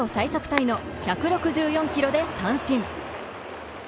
タイの１６４キロで三振。